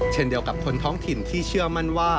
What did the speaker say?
เช่นเดียวกับคนท้องถิ่นที่เชื่อมั่นว่า